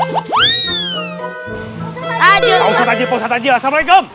pak ustaz tajil pak ustaz tajil assalamualaikum